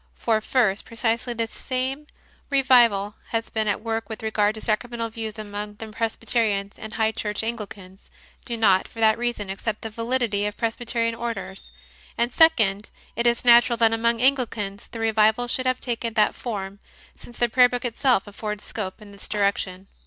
For, first, precisely the same revival has been at work with regard to sacramental views among the Presbyterians, and high church Anglicans do not for that reason accept the validity of Presbyterian Orders; and, second, it is natural that among Anglicans the revival should have taken that form, since the Prayer Book itself affords scope in this direction.